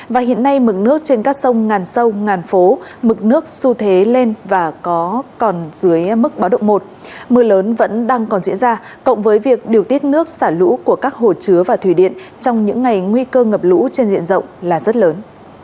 và hiện nay mực nước trên các sông ngàn sâu ngàn phố mực nước xu thế lên và còn dưới mức báo động một mưa lớn vẫn đang còn diễn ra cộng với việc điều tiết nước xả lũ của các hồ chứa và thủy điện trong những ngày nguy cơ ngập lũ trên diện rộng là rất lớn